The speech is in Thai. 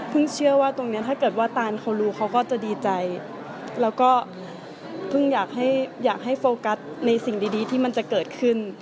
เชื่อว่าตรงนี้ถ้าเกิดว่าตานเขารู้เขาก็จะดีใจแล้วก็เพิ่งอยากให้โฟกัสในสิ่งดีที่มันจะเกิดขึ้น